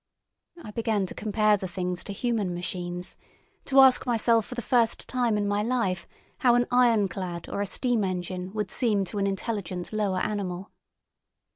I began to compare the things to human machines, to ask myself for the first time in my life how an ironclad or a steam engine would seem to an intelligent lower animal.